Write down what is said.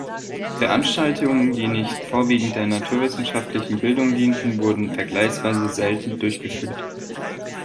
Veranstaltungen, die nicht vorwiegend der naturwissenschaftlichen Bildung dienten, wurden vergleichsweise selten durchgeführt.